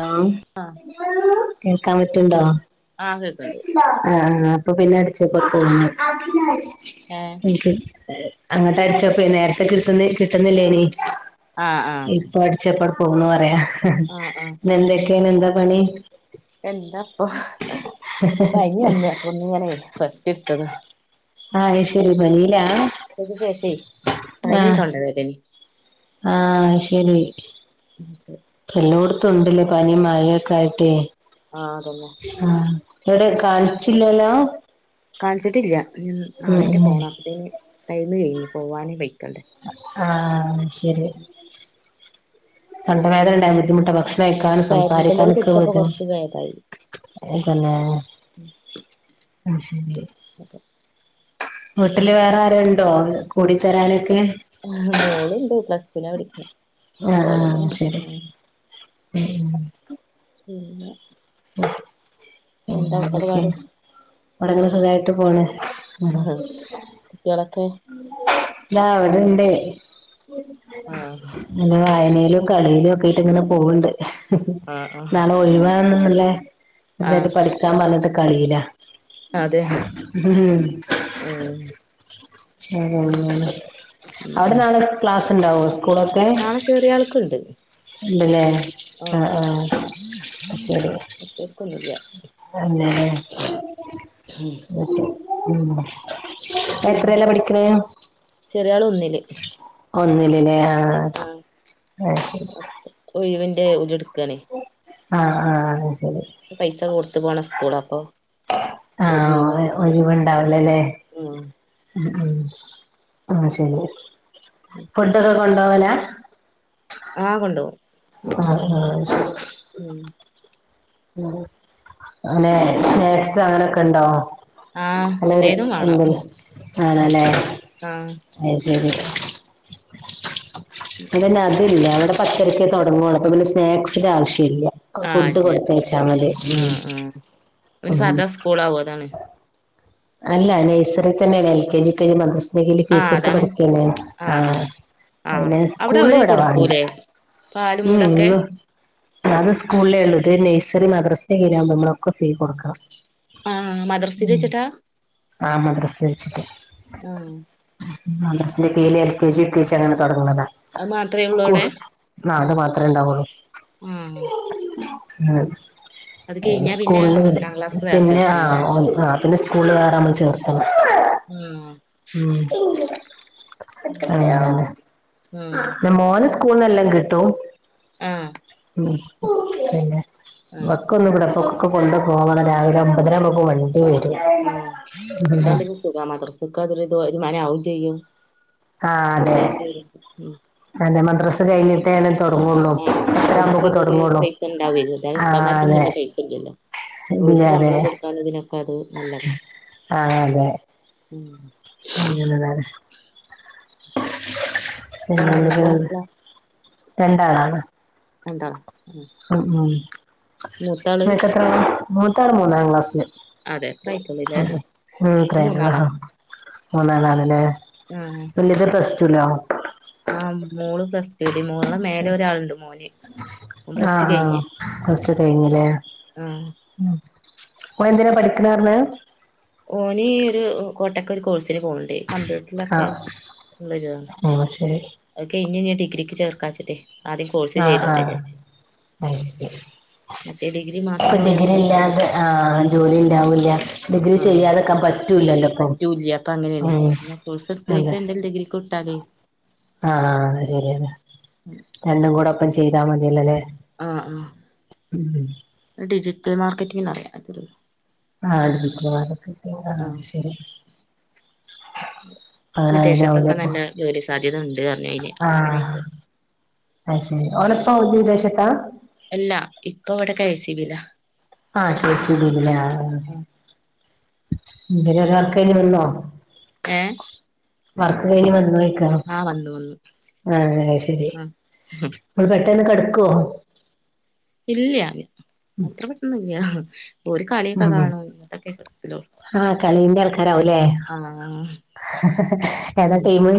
ആ ആ കേൾക്കാൻ പറ്റ്ണ്ടോ ആ കേക്ക്ണ്ട് ആ ആ അപ്പൊ പിന്നെ അടിച്ചേപോലെ തോന്നുന്നു ഏഹ് എന്നിട്ട്. അങ്ങോട്ട അടിച്ചപ്പ നേരത്തെ കിട്ടുന്ന കിട്ടുന്നില്ലേനി ആഹ് ആഹ് അതെ ഇപ്പ ച്ചപ്പങ്ങട്ട് പോന്നു പറയാ ആഹ് ആഹ് എന്തൊക്കെയാ എന്താ പണി എന്താപ്പൊ പനി വന്ന്അപ്പൊ ഇങ്ങനെ റെസ്റ്റിട് ത്തതാ ആഹ് അയ്ശരി പനിയിലാ ഉച്ചക്ക് ശേഷേ പനിയും തൊണ്ടവേദനീം ആ ശരി [inaudible] എല്ലോടത്തും ഉണ്ടല്ലേ പനിയും മഴൊക്കെ ആയിട്ട് ആ അതന്നെ ആ എവിടെ കാണിച്ചില്ലല്ലോ കാണിച്ചിട്ടില്യ ഈ ഉം നാളെറ്റെ ഈ ഉം പോണം അയിന് മരുന്ന് കഴിഞ്ഞു പോവാന് ബൈക്കണ്ടെ ആ ശരി തൊണ്ടവേദന ഉണ്ടായ ബുദ്ധിമുട്ടാ ഭക്ഷണം ആഹ് അപ്പൊ കഴിക്കാനും പാരസെറ്റമോള് സംസാരിക്കാനൊക്കെ കുടിച്ചപ്പോ ബുദ്ധിമു കൊറച്ച് ഭേദായി ഏ തന്നെ ഉം [inaudible] വീട്ടില് വേറെ ആരുണ്ടോ കൂടിത്തരാനൊക്കെ ഉം മോളുണ്ട് പ്ലസ്ടുവിന പഠിക്കുന്നെ ആഹ് ഓള ആഹ് എന്തെങ്കിലും ശരി ഉം ഉം പിന്നെ [inaudible] എന്താ പിന്ന അവിടത്തൊക്കെ എന്തൊക്കെ പാട് അവിടെങ്ങനെ സുഖായിട്ട് പോണ് കുട്ട്യാളൊക്കെ ദാ അവിടെണ്ടേ ആ നല്ല വായനയിലും കളിയിലും ഒക്കെ ആയിട്ട് അങ്ങനെ പോവ്ണ് ണ്ട് ആഹ് ആഹ് നാളെ ഒഴിവാ ആണ്ല്ലെ ആഹ് നന്നായിട്ട് പഠിക്കാൻ പറഞ്ഞിട്ട് കളിയിലാ അതെ ഹെ ആ ഉം അങ്ങനെ അവിടെ നാളെ ക്ലാസ്സ് ഉണ്ടാവോ സ്കൂളൊക്കെ നാളെ ചെറിയ ആൾക്കുണ്ട് ഉണ്ടല്ലെ ആഹ കേൾക്കുന്നില്ല [inaudible] [inaudible] ഉം പിന്നെ എത്രല പഠിക്കണെ ചെറിയാള് ഒന്നിലില്ലേ ആഹ ആഹ ഒഴിവിന്റെ ഉടെടുക്കണേ ആഹ ആഹ എന്നാ ശരി പൈസ കൊടുത്തു പോണ സ്കൂള അപ്പൊ ആഹ ഒഴിവുണ്ടാവുലല്ലേ മ്മ് ഉം ഉം ആഹ ശരി ഫുഡൊക്കെ കൊണ്ട്പോവലാ ആഹ കൊണ്ടുപോകും ആഹ് ആഹ് ശെരി ഉം ഉം അങ്ങനെ സ്നാക്സ് അങ്ങനെയൊക്കെ ഉണ്ടോ ആഹ് നല്ലരു എല്ലേതും വാണം അമ്പ ആണല്ലേ അത്ശരി ഇത് പിന്നെ അത് ഇല്ല അവിടെ പത്തരക്കേ തുടങ്ങുവൊള്ള് അപ്പൊ പിന്നെ സ്നാക്സിന്റെ ആവശ്യം ഇല്ല ആഹ് ഫുഡ് ഇല്ല കൊടുത്തയച്ചാൽ മതി ഉം ഉം പുലാവ് അതാണ് അല്ല നഴ്സറിൽ തന്നെയാണ് എൽ കെ ജി മദ്രസ നഖേൽ ഫീസ് ആഹ് എടുത്ത് അതാണ് പഠിക്കാണ് ആഹ് ആഹ ആഹ് ആഹ് പിന്നെ അവിടെ സ്കൂളില് അവര് ഇവിടെ വേണ്ട കൊടുക്കൂലേ പാലും ഉം മുടൊക്കെ അത് സ്കൂളിലെ ഉള്ളൂ നഴ്സറി മദ്രസ കീഴിലാകുമ്പോ നമ്മളൊക്കെ ഫീ കൊടുക്കണം ആഹ് മദ്രസിൽ വെച്ചിട്ടാ ആഹ മദ്രസ വെച്ചിട്ട് ആഹ് ക്ലസിന്റെ കീയില് എൽ കെ ജി ടീച്ചറാണ്ട് തൊടങ്ങുന്നതാ അത് മാത്രേ ഉള്ളൂ അവിടെ സ്കൂള് നാകെ മാത്രേ ഇണ്ടാവുള്ളൂ ആഹ് ഉം അത് കഴിഞ്ഞാ പിന്നെ സ്കൂളില് ഒന്നാം ക്ലാസ്ക്ക് വേറെ പിന്നെ ചേർക്കണം ല്ലേ ആഹ് ആഹ് പിന്നെ സ്കൂള് വേറെ നമ്മൾ ചേർത്തണം മ്മ് ആഹ് പിന്നെ മോന് സ്കൂളിനെല്ലാം കിട്ടും ആഹ ഉം പിന്നെ ആഹ് ഇവക്കൊന്നും വിടെ പോ കൊണ്ട് പോവണം രാവിലെ ഒമ്പതരാകുമ്പോക്ക് വണ്ടി വരും ഉം ന്നാ പിന്നെ സുഖമാണ് മദ്രസ്ക്ക് അതൊരു വരുമാനം ആകും ചെയ്യും ആഹ് അതെ കുട്ടികൾ ചേരും ഉം അതെ മദ്രസ കഴിഞ്ഞിട്ടേ ത് തൊടങ്ങൊള്ളൂ ആഹ് ഓര്ക്ക് അതൊരു പൈസ ഉണ്ടാവൊല്ലോ ഉസ്താദ് ആഹ് മാർക്കൊന്നും അതെ വലിയ പൈസ ഇല്ലല്ലോ ഇല്ല ഓര്ക്ക് അതെ ശമ്പളം കൊടുക്കാൻ ഇതിനൊക്കെ അത് നല്ലതാ ആഹ് അതെ ഉം അങ്ങനെതാണ് പിന്നെ [inaudible] എത്ര മക്കളാ രണ്ടാളാണ് രണ്ടാളാ ഉം ഉം മൂത്താള് നിങ്ങക്കെത്ര ആളാ മൂത്താള് മൂന്നാം ക്ലാസില് അതെ എത്ര ആയിട്ടൊള്ളൂല്ലേ ഉം മൂന്നാളാ [inaudible] മൂന്നാല് ആള് ല്ലേ ആഹ വലുത് പ്ലസ് ടു ആ ആഹ മോള് പ്ലസ്സ്റ്റുല് മോള് മേലെ ഒരാളുണ്ട് മോന് ഓൻ പ്ലസ് ടു ആഹ ആഹ കഴിഞ്ഞ് പ്ലസ്ടു കഴിഞ്ഞില്ലേ ആഹ് ഉം ഓൾ എന്തിനാ പഠിക്ക്ണ് പറഞ്ഞ് ഓന് ഒരു കോട്ടക്കെ ഒരു കോഴ്സിന് പോണുണ്ട് കമ്പ്യൂട്ടർ ആഹ് ഉം ശരി അത് കഴിഞ്ഞ് ഇനി ഡിഗ്രി ക്ക് ചേർക്കാച്ച്ട്ടെയ് ആദ്യം കോഴ്സ് ആഹ് ചെയ്തോട്ടെ ആഹ് വിചാരിച്ച് മറ്റേ ഡിഗ്രി മാത്രം ഇപ്പൊ പോയാ ഡിഗ്രി ഒന്നും ഉണ്ടാവൂല ഇല്ലാതെ ആഹ ജോലി ഉണ്ടാവൂല്ല ഡിഗ്രി ആഹ് ചെയ്യാതെക്കാൻ പറ്റൂ പറ്റൂല്ല്യ അപ്പൊ അങ്ങനെയാണ് ഞ് കോഴ്സ് അതെ എടുത്ത് എന്ത ഡിഗ്രിക്ക് വിട്ടാലേ ആഹ് ആഹ് അ ശരിയാണ് രണ്ടും കൂടെ ഒപ്പം ചെയ്താ മതീല്ലല്ലേ അല്ലേ ആഹ ആഹ ഡിജിറ്റൽ മാർക്കറ്റിംഗ്ന്ന് പറയാ അതിന് ആഹ് ഡിജിറ്റൽ മാർക്കറ്റിംഗ് ആഹ് അത് ശരിയാ വിദേശത്തൊക്കെ നല്ല ജോലി സാധ്യത ണ്ട് പറഞ്ഞ് അയിന് അപ്പൊ അങ്ങനെ അ ശരി ഓന്റെപ്പ വിദേശത്താ അല്ലാ ഇപ്പ ഇവിടെ കെ എസ് ബി യിലാ ആഹ് കെ എസ് ഇ ബി യില് ലേ ആഹ് എന്തരൊരാൾക്കായ് വന്നോ? ഏഹ്. വർക്ക് കയ്ഞ്ഞ് വന്നോയ്ക്ക. ആഹ് വന്നു വന്നു ആ ആ അഹ് ശെരി ആഹ് ഇങ്ങൾ പെട്ടെന്ന് കെടക്കോ? ഇല്ല്യ അത്ര പെട്ടന്നൊന്നുഇല്ല ഓല് കളിയൊക്കെ ഉം കാണു ഇങ്ങട്ടൊക്കെ കെടക്കലുള്ളു. ആഹ് കളിന്റെ ആൾക്കാരാവുല്ലേ ഏതാ ടീമ്?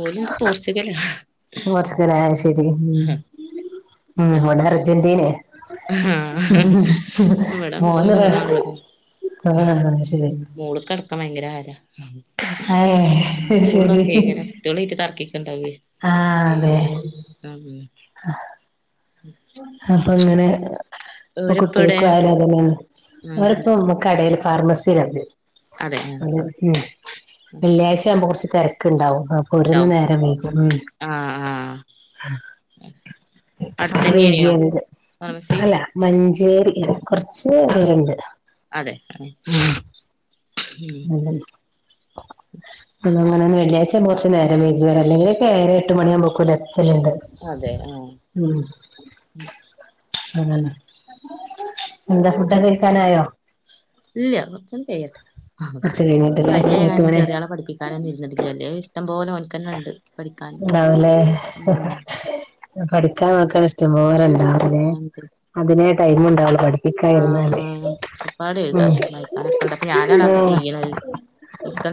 ഓലൊന്താ പോർച്കലാ ഹ്. അതെലെ അഹ് ശെരി ഉം ഏ ഉംഇവിടെ അർജന്റീനെ. ആഹ് ഉംഹ് ഉംഹ്. ഇവിടെ ഒരു ഓന് മൂന്നാളും അതെ റൊനാ ആ അഹ് ശെരി. മോള്ക്കടക്കം ഭയങ്കര ഹരാ. അഹേ അഹ് ശെരി കുട്ടികളായിട്ട് തർക്കിക്കണ്ടാവേ ആഹ് അതെ. [unintelligible] ആഹ്. അപ്പൊ അങ്ങനെ ഹ്. ഇപ്പൊ ഓരിപ്പവിടെ കുട്ടിയാക്കയാലും അതെന്നേണ് ആഹ് അവര്പ്പ കടേൽ ഫാർമസിയിലാണ്. അതെ ആഹ് ഓൽ ആഹ് ഉം വെള്ളിയാഴ്ച ആവുമ്പോ കൊറച്ച് തെരക്ക്ണ്ടാവും. ഓരുന്ന് നേരം വൈകും ഉം. ആ ആഹ് അത് അടുത്തെന്നെയ്നിയോ വൈകിയത് ഫർമസി. അല്ല മഞ്ചേരി കൊറച്ച് ദൂരണ്ട്. അതെ ആഹ് ഉം അതന്നെ. ഇന്നഅങ്ങനെന്ന് വെള്ളിയാഴ്ചാവുമ്പൊ കൊറച്ച് നേരം വൈകും അല്ലെങ്കി എഴര എട്ട് മണിയാുമ്പോക്കും ഇവടെത്തലുണ്ട്. അതെ ആഹ്. ഉം. [inaudible] അതെന്നെ എന്താ ഫുഡൊക്കെ കയ്ക്കാനായോ? ഇല്ല കൊർച്ചാണ്ട് കയ്യട്ടെ അഹ് കൊറച്ച് കഴിഞ്ഞിട്ട്ല്ലേ പനിയായ എട്ട് കാരണം മണി ചെറിയ ആളെ പഠിപ്പിക്. ക്കാനൊന്നും ഇരുന്നിട്ടില്ല വല്യോൻക് ഇഷ്ട്ടംപോലെ ഓൻക്കന്നെ ഇണ്ട്. ഉണ്ടാവുലേ പഠിക്കാൻ നോക്കാണ ഇഷ്ടം പോലണ്ടാവും. അതെ മോൻണ്ട് അതിനെ ടൈമ്ണ്ടാവുള്ളു ഇബടിം. ആഹ് ഉം ഒരുപാട് എഴുതാനും വായിക്കാനൊക്കെണ്ട് അപ്പൊ ഞാനാണതൊക്കെ ചെയ്യ്ണത്.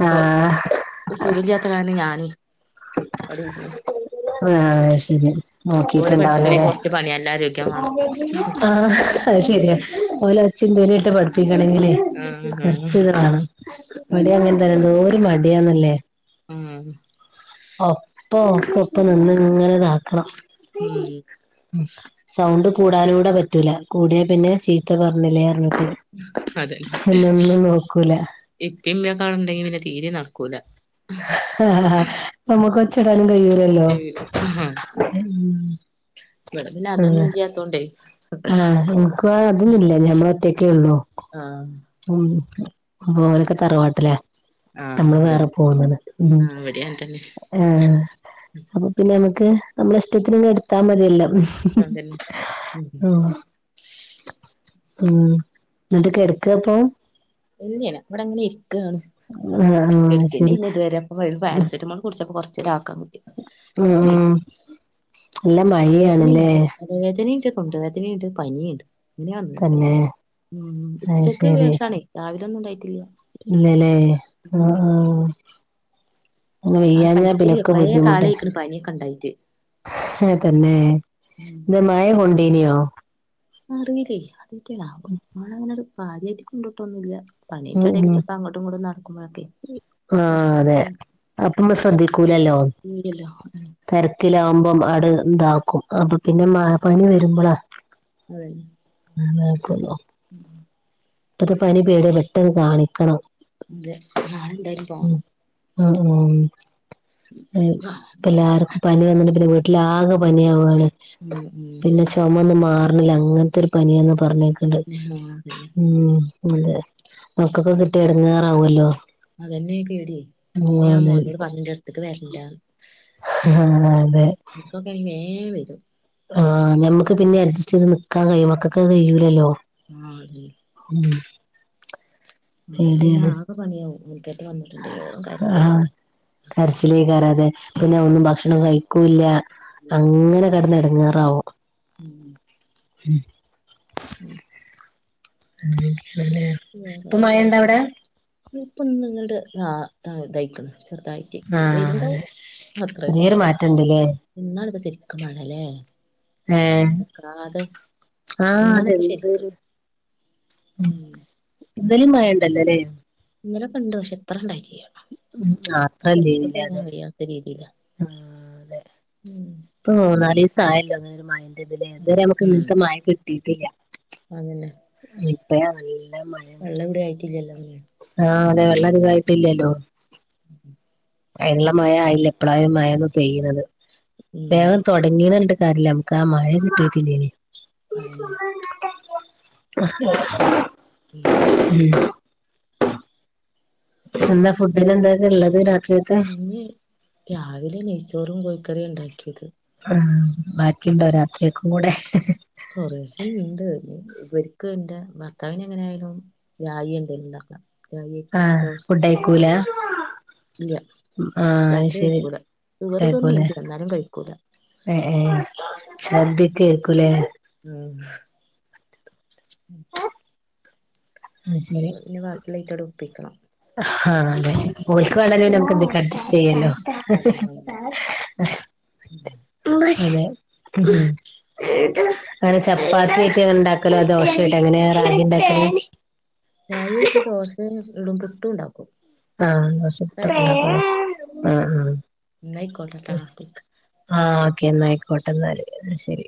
ആഹ്. ഇപ്പ സുഖല്ലാത്ത കാരണം ഞാനുര് അവിടെര്ന്ന്. ആ അഹ് ശെരി. ഓലെ പഠിപ്പിക്കണെ നോക്കിട്ട്ണ്ടാവൂലല്ലേ കൊറച്ച് പണി നല്ല ആരോഗ്യം വേണം ആഹ്. അഹ് ശെരിയാ ഓലെ ഒച്ചിം വിളിട്ട് പഠിപ്പിക്കണെങ്കിലേ. ആഹ് കൊർച്ച് ഇത് ആഹ് വാണം ഇവടീം അങ്ങൻതന്നെ എന്തോര് മടിയാന്നല്ലേ. ഉം. ഒപ്പ ഒക്കെ ഒപ്പ നിന്ന്ങ്ങനെ ഇതാക്കണം. ഉം സൗണ്ട് കൂടാനൂടെ പറ്റൂല കൂടിയാ പിന്നെ ചീത്ത പറഞ്ഞില്ലേ പർഞ്ഞിട്ട്. പിന്നെ ഒന്നും നോക്കൂലേ ഇപ്പിം ഇമ്മിയൊക്കെ ആടെ ഇണ്ടെങ്കി പിന്നെ തീരെ നടക്കൂല. ആഹ് നമ്മുക്ക് ഒച്ചടാനും കയ്യൂലല്ലോ. ഇവടെ പിന്നെ അതൊന്നും ഇല്ലാത്തോണ്ടേ. ആഹ് ഇൻക്കും അതൊന്നുല്ല ഞമ്മളൊറ്റക്കെള്ളൂ. ആഹ് ഉം ഓലൊക്കെ തറവാട്ടില ആഹ് നമ്മള് വേറെ അതന്നെ പോന്ന്ണ് ഉം. ആഹ് ഇവിടേം അങ്ങൻതന്നെ ആഹ് അപ്പൊ പിന്നെ നമുക്ക് നമ്മളെ ഇഷ്ടത്തിന് ഇങ്ങ് എടുത്താ മതിയല്ലോ. അതന്നെ ഉം. ഉം എന്നിട്ട് കെടക്കാ ഇപ്പൊ എന്നാണ് ഇവിടന്നെ ഇരിക്കാണ് ആഹ് ആഹ് കെടുക്കണ്ട ശരി ഇതുവരെ അപ്പൊ ഒരു പാരസറ്റാമോൾ കുടിച്ചപ്പൊ ഉം നല്ല മഴയാണല്ലേ തല വേദനീണ്ട് തൊണ്ട വേദനീണ്ട് പനിണ്ട് നെയാണ് തന്നെ ഉം അത് ഉച്ചക്ക് ശരി ശേഷാണേ രാവിലൊന്നും ഉണ്ടായിട്ടില്ല. ഇല്ലല്ലേ ഉം ആഹ് ആഹ് പെയ്യഞ്ഞാ പിനക്കബുദ്ധിമുട്ട് പനിക്ക ഇണ്ടായിട്ട് ആ തന്നെ ഇത് മയ കൊണ്ടേനിയോ അറിയില്ലേ അറിത്തില്ല [unintelligible] കൊണ്ടോട്ടൊന്നുല്ല ഉം പണീന്റെ ഇടേൽ ഉം ചിലപ്പ അങ്ങോട്ടും ഇങ്ങോട്ടും നടക്കുമ്പോഴൊക്കെ പുറത്തക്ക അപ്പമ്മ ശ്രദ്ധിക്കൂലല്ലോ ഉം തെര കിലാമ്പം അടു ഇതാക്കും അപ്പൊ പിന്നെ മ പനി വരുമ്പോളാ അതെ ആ നോക്കുന്നോ ഉം പ്പത്തെ പനി പേടി പെട്ടെന്ന് കാണിക്കണം. അതെ നാളെ എന്തായാലും ഉം പോണം ആഹ് ആഹ് ആ, അപ്പ അതില് എല്ലാർക്കും പനി വന്നിട്ട് പിന്നെ വീട്ടിൽ ആകെ പനിയാവാണ് ഉം ഉം ചുമ ഒന്ന് മാറണില്ല അങ്ങനത്തെ ഒരു പനിയാന്ന് പറഞ്ഞേക്കണ്ട് അതന്നെ ആ അതെന്നെ ഉം അതെ നമക്കൊക്കെ കിട്ടി ഇടങ്ങാറാവുല്ലോ അതന്നെയാ പേടിയേ അ ഞാൻ മോനോട് പറഞ്ഞ് അടുത്തേക്ക് വരില്ലാന്ന് ആഹ് ആഹ് അതെ [unintelligible] വരും ആഹ് ഞമ്മക്ക് പിന്നെ അഡ്ജസ്റ്റ് ചെയ്ത് നിക്കാൻ കഴിയും മക്കൊക്കെ കഴിയൂലല്ലോ ആഹ് അതെ ഉം ആ പിന്നെ പേടിയാണ് ആകെ പണിയാവും [unintelligible] വന്ന ആഹ് കരച്ചിലേ കാരം അത് ഉം പിന്നെ ഒന്നും ഭക്ഷണം കഴിക്കൂല്ല അങ്ങനെ കിടന്ന് എടങ്ങേറാവും ഉം ഉം അങ്ങനെ ഇരിക്കല്ലേ ഇത് ഇപ്പൊ നിങ്ങളുടെ ആ ഇതായിക്കുന്നു ചെറുതായി ആഹ് അതെ വേരുണ്ടാവും അത്രല്ലേ ചെറിയൊരു മാറ്റണ്ട്ല്ലേ എന്നാണ് ഇപ്പ ശരിക്കും മഴല്ലേ ഏഹ് നിക്കാതെ ആഹ് ഇന്നാണിപ്പ ശരിക്ക് അതെന്തര് ഉം ഇന്നലിം മഴ ഇണ്ടല്ലോ ല്ലേ ഇന്നലൊക്കെണ്ട് പക്ഷെ ഇത്ര ഇണ്ടായിട്ടില്ല ആ ഇത്രെ ഇല്ലെനിലെ അത് രീതിയില ഉം ഇപ്പ മൂന്നാലീസായല്ലോ അങ്ങനെ ഒരു മഴെന്റെ ഇതില്തെ അതെ ഇതുവരെ നമുക്ക് ഇങ്ങന്ത്തെ മഴ കിട്ടിട്ടില്ല അതെന്നെ ഇപ്പ നല്ല മഴണ്ട് ഇവിടെ ആയിട്ടില്ലല്ലോ ഉം ആഹ്‌ അതെ വെള്ളംധികായിട്ടില്ലല്ലോ [unintelligible] അയിന്ള്ള മഴ ആയില്ല ഇപ്പളാ ഈ മഴൊന്ന് പെയ്യ്ണത് ഉം വേഗം തൊ തുടങ്ങിന്ന് പറഞ്ഞിട്ട് കാര്യ ഇല്ല നമുക്ക് ആ മഴ കിട്ടീട്ടില്ലേനി അയെന്നെ [unintelligible] ഉം ഉം എന്താ ഫുഡ്ന് എന്തേര്ന്ന് ഇള്ളത് രാത്രിഒക്കെ ഇന്ന് രാവിലെ നെയ്ച്ചോറും കോഴിക്കറിയാ ഇണ്ടാക്കിയത് ആഹ്‌ ബാക്കി ഉ ണ്ടോ രാത്രിക്കക്കും കൂടെ കോറേശെ ഇണ്ട് ഇവര്ക്ക് ഇന്റെ ഭർത്താവിനെ എങ്ങനെ ആയാലും രായി എന്തേലും ഇണ്ടാക്കണം ആഹ്‌ ഫുഡയിക്കൂല ഇല്ല്യ ആഹ് രാത്രി അയ്ശരി കഴിക്കൂല ഷുഗർ ഇതൊന്നും ഇല്ല്യ എന്നാലും കഴിക്കൂല ഏഹ്‌ ഏഹ് സദ്യക്കെ ഏര്ക്കും ലെ ഉം ശരി അപ്പൊ പിന്നെ വാക്കിള്ള ഐറ്റോടെ ഒപ്പിക്കണം ആലെ ഓല്ക്ക് വേണ്ടേല് പിന്നെ നമുക്ക് എന്തിനാ അഡ്ജസ്റ്റ് ചെയ്യല്ലോ അതന്നെ അതന്നെ. അതേ [inaudible] അങ്ങനെ ചപ്പാത്തിആക്കിട്ടാ ഇണ്ടാക്കല് ദോശായിട്ടോ എങ്ങനെ റാഗി ഇണ്ടാക്കല് റായി ഏറ്റ് ദോശേം ഇടും പുട്ടും ഇണ്ടാക്കും ആ ദോശ പുട്ട് ഒക്കെ ഇണ്ടാക്കും ലെ ആഹ്‌ ഇന്നാ അയ്കോട്ടെട്ടാ വിളിക്കാ ആഹ്‌ ഓക്കെ ഇന്നായിക്കോട്ടെ ഇന്നാല് ശരി